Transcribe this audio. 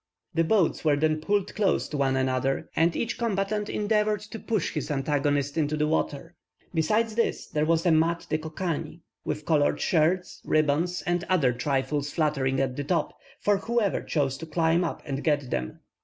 The boats were then pulled close to one another, and each combatant endeavoured to push his antagonist into the water. Besides this, there was a Mat de Cocagne, with coloured shirts, ribbons, and other trifles fluttering at the top, for whoever chose to climb up and get them.